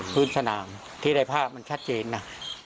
พื้นสนามที่ได้ภาพมันชัดเจนนะ